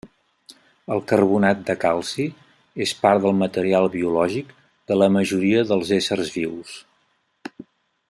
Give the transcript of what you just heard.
El carbonat de calci és part del material biològic de la majoria dels éssers vius.